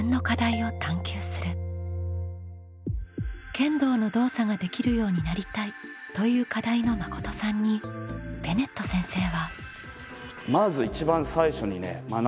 「剣道の動作ができるようになりたい」という課題のまことさんにベネット先生は。